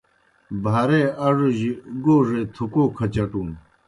بھارے اڙوجیْ گوڙے تُھکو کھچٹُن